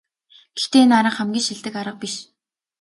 Гэхдээ энэ арга хамгийн шилдэг арга биш.